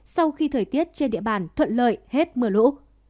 sau khi thời tiết trên địa bàn thuận lợi hết mưa lũ